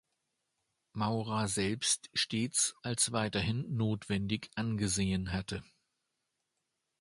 Maura selbst stets als weiterhin notwendig angesehen hatte.